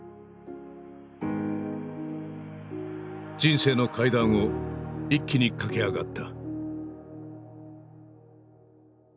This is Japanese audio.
人生の階段を一気に駆け上がった。